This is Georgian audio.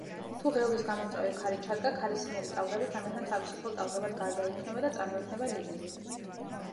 თუ ღელვის გამომწვევი ქარი ჩადგა, ქარისმიერი ტალღები თანდათან თავისუფალ ტალღებად გარდაიქმნება და წარმოიქმნება ლივლივი.